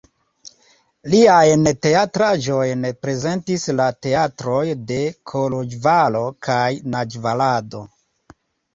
Liajn teatraĵojn prezentis la teatroj de Koloĵvaro kaj Nadjvarado.